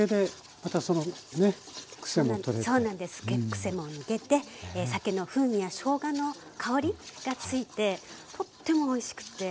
クセも抜けて酒の風味やしょうがの香りがついてとってもおいしくって。